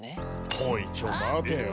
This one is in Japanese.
おいちょ待てよ。